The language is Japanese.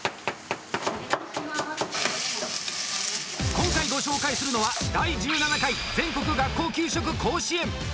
今回ご紹介するのは「第１７回全国学校給食甲子園」。